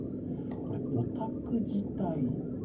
これ、お宅自体